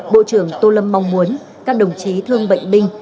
bộ trưởng tô lâm mong muốn các đồng chí thương bệnh binh